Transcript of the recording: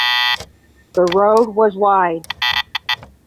The road was wide.